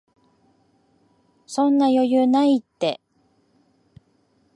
そんな余裕ないって